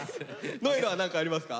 如恵留は何かありますか？